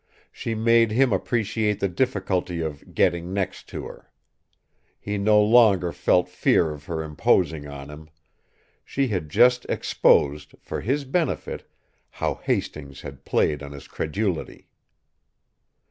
She made him appreciate the difficulty of "getting next" to her. He no longer felt fear of her imposing on him she had just exposed, for his benefit, how Hastings had played on his credulity!